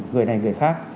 người này người khác